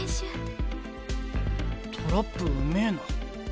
トラップうめえな。